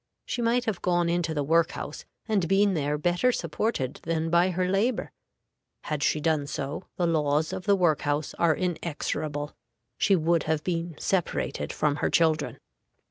She might have gone into the work house, and been there better supported than by her labor. Had she done so, the laws of the work house are inexorable, she would have been separated from her children.